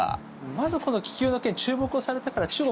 まず、この気球の件注目されてから中国